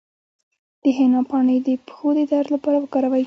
د حنا پاڼې د پښو د درد لپاره وکاروئ